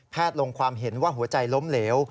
ลงความเห็นว่าหัวใจล้มเหลว